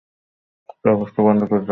চারপাশটা বন্ধ করে দাও।